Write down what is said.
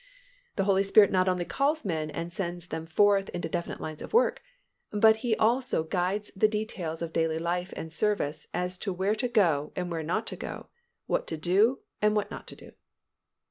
The Holy Spirit not only calls men and sends them forth into definite lines of work, but He also _guides in __ the details of daily life and service as to where to go and where not to go, what to do and what not to do_.